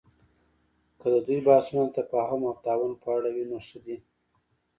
که د دوی بحثونه د تفاهم او تعاون په اړه وي، نو ښه دي